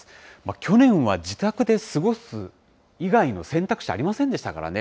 去年は自宅で過ごす以外の選択肢ありませんでしたからね。